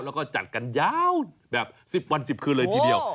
แล้วก็จัดกันยาวแบบ๑๐วัน๑๐คืนเลยทีเดียว